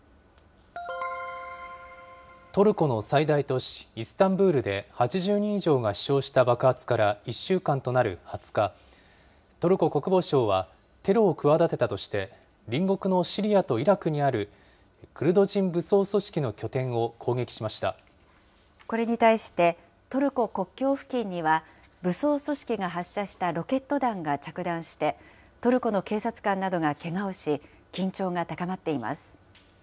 トルコの最大都市、イスタンブールで、８０人以上が死傷した爆発から１週間となる２０日、トルコ国防省は、テロを企てたとして隣国のシリアとイラクにあるクルド人武装これに対してトルコ国境付近には、武装組織が発射したロケット弾が着弾して、トルコの警察官などがけがをし、緊張が高まっています。